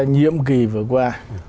nhiệm kì vừa qua